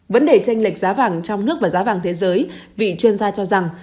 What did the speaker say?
vấn đề tranh lệch giá vàng trong nước và giá vàng thế giới vị chuyên gia cho rằng